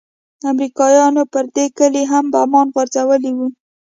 امريکايانو پر دې کلي هم بمان غورځولي وو.